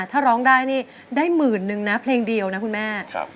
ถ้าร้องได้นี่ได้หมื่นนึงนะเพลงเดียวนะคุณแม่